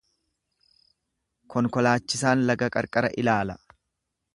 Konkolaachisaan laga qarqara ilaala.